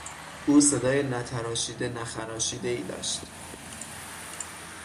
او صدای نتراشیده نخراشیدهای داشت.